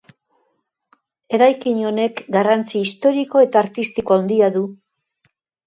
Eraikin honek garrantzi historiko eta artistiko handia du.